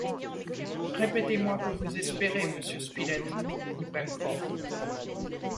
Répétez-moi que vous espérez, monsieur Spilett! dit Pencroff.